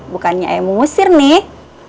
bukannya ayah mau ngusir nih